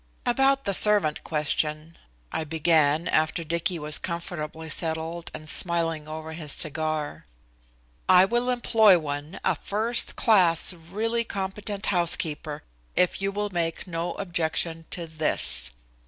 "About that servant question," I began, after Dicky was comfortably settled and smiling over his cigar. "I will employ one, a first class, really competent housekeeper, if you will make no objection to this."